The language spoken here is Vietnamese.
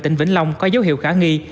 tỉnh vĩnh long có dấu hiệu khả nghi